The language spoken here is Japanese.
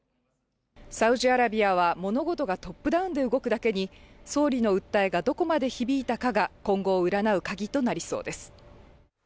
サウジアラビアは物事がトップダウンで動くだけに、総理の訴えがどこまで響いたかが今後を占う鍵となりそうです。